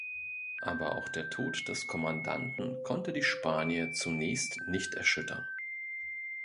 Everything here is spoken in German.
Aber auch der Tod des Kommandanten konnte die Spanier zunächst nicht erschüttern.